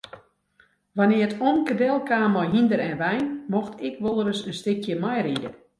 Wannear't omke delkaam mei hynder en wein mocht ik wolris in stikje meiride.